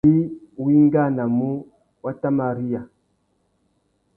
Ari wá ingānamú, wá tà mà riya.